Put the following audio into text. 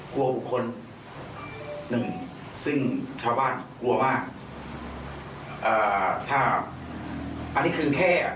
กลัวบุคคลหนึ่งซึ่งชาวบ้านกลัวมากเอ่อถ้าอันนี้คือแค่